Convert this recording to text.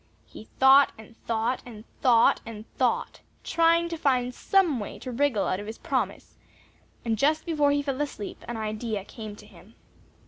He thought and thought and thought and thought, trying to find some way to wriggle out of his promise, and just before he fell asleep, an idea came to him.